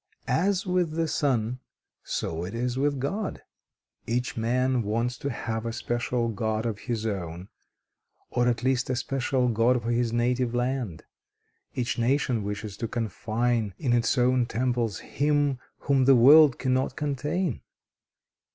As with the sun, so it is with God. Each man wants to have a special God of his own, or at least a special God for his native land. Each nation wishes to confine in its own temples Him, whom the world cannot contain.